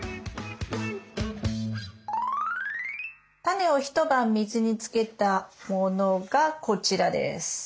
タネを一晩水につけたものがこちらです。